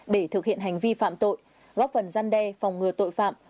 để thực hiện hành vi phạm tội góp phần gian đe phòng ngừa tội phạm